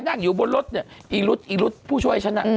นั่งอยู่บนรถที่รุธให้ชนะ